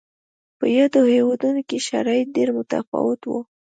په یادو هېوادونو کې شرایط ډېر متفاوت و.